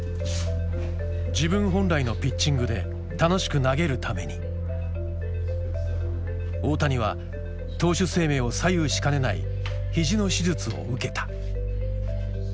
自分本来のピッチングで大谷は投手生命を左右しかねない肘の手術を受けた。